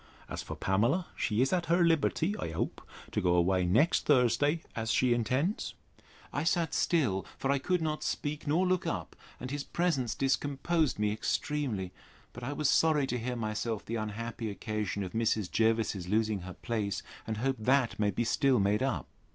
As for Pamela, she is at her liberty, I hope, to go away next Thursday, as she intends? I sat still; for I could not speak nor look up, and his presence discomposed me extremely; but I was sorry to hear myself the unhappy occasion of Mrs. Jervis's losing her place, and hope that may be still made up.